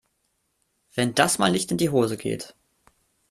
Wenn das mal nicht in die Hose geht!